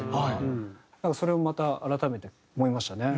それをまた改めて思いましたね。